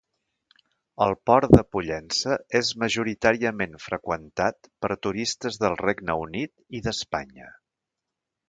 El Port de Pollença és majoritàriament freqüentat per turistes del Regne Unit i d'Espanya.